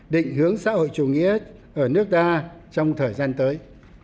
định hướng xã hội chủ nghĩa ở nước ta trong thời gian tới